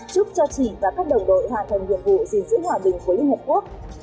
chúc cho chị và các đồng đội hoàn thành nhiệm vụ giữ hòa bình với hợp quốc